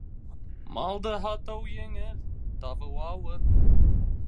Малды һатыу еңел, табыуы ауыр.